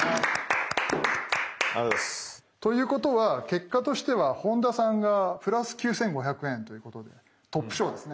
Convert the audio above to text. ということは結果としては本田さんがプラス９，５００円ということでトップ賞ですね。